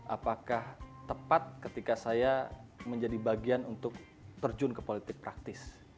apakah tepat ketika saya menjadi bagian untuk terjun ke politik praktis